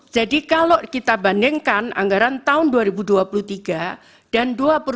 jadi kalau kita bandingkan anggaran tahun dua ribu dua puluh tiga dan dua ribu dua puluh empat